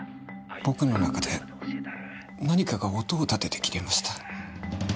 僕の中で何かが音を立てて切れました。